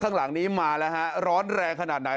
ข้างหลังนี้มาแล้วฮะร้อนแรงขนาดไหน